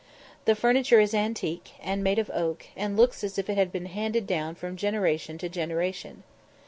The furniture is antique, and made of oak, and looks as if it had been handed down from generation to generation.